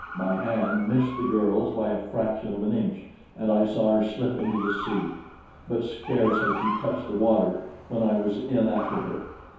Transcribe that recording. My hand missed the girl's by a fraction of an inch, and I saw her slip into the sea; but scarce had she touched the water when I was in after her.